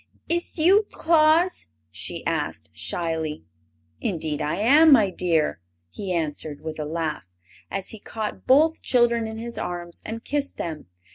"Is you Tlaus?" she asked, shyly. "Indeed I am, my dear!" he answered, with a laugh, as he caught both children in his arms and kissed them.